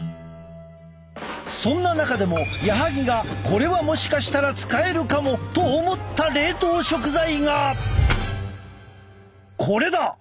そんな中でも矢萩がこれはもしかしたら使えるかもと思った冷凍食材がこれだ！